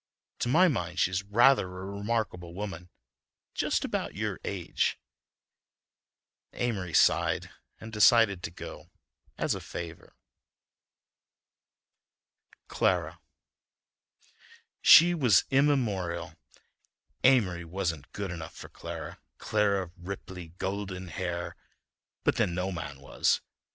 To my mind, she's rather a remarkable woman, and just about your age." Amory sighed and decided to go, as a favor.... CLARA She was immemorial.... Amory wasn't good enough for Clara, Clara of ripply golden hair, but then no man was.